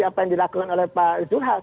apa yang dilakukan oleh pak zulkifli hasan